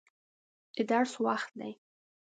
د درس وخت دی.